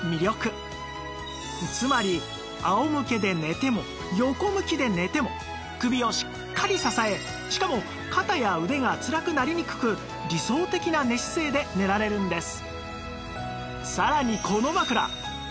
つまり仰向けで寝ても横向きで寝ても首をしっかり支えしかも肩や腕がつらくなりにくく理想的な寝姿勢で寝られるんです